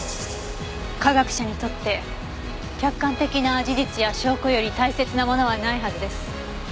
科学者にとって客観的な事実や証拠より大切なものはないはずです。